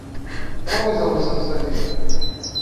Qual visão você gostaria?